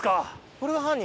これが犯人？